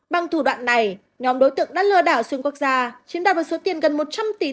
bằng thủ đoạn này nhóm đối tượng đã lừa đảo xuyên quốc gia chiếm đạt được số tiền gần một trăm linh tỷ